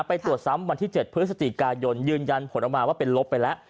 ไปตรวจซ้ำวันที่๗พฤศจิกายนยืนยันผลออกมาว่าเป็นลบไปแล้ว